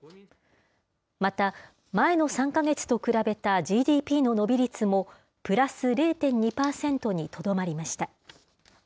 また、前の３か月と比べたＧＤＰの伸び率も、プラス０．２％にとどまりました。